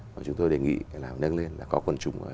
và chúng tôi đề nghị là nâng lên là có quần chúng